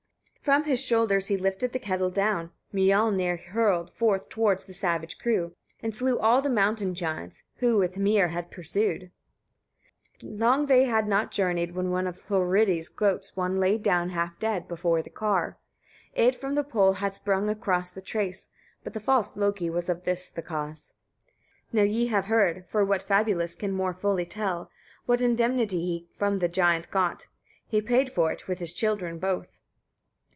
36. From his shoulders he lifted the kettle down; Miollnir hurled forth towards the savage crew, and slew all the mountain giants, who with Hymir had him pursued. 37. Long they had not journeyed when of Hlorridi's goats one lay down half dead before the car. It from the pole had sprung across the trace; but the false Loki was of this the cause. 38. Now ye have heard, for what fabulist can more fully tell what indemnity he from the giant got: he paid for it with his children both.